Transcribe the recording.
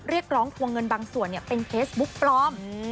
เรียกร้องทวงเงินบางส่วนเป็นเฟซบุ๊กปลอม